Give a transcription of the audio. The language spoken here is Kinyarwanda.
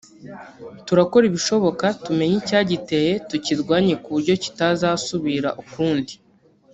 turakora ibishoboka tumenye icyagiteye tukirwanye kuburyo kitazasubira ukundi